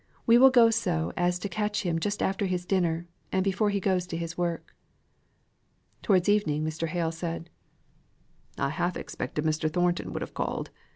We will go so as to catch him just after his dinner, and before he goes to his work." Towards evening Mr. Hale said: "I half expected Mr. Thornton would have called.